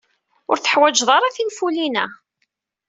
Ur teḥwajed ara tinfulin-a?